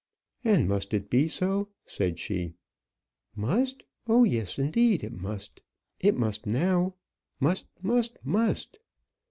"And must it be so?" said she. "Must! oh, yes, indeed it must. It must now, must must must."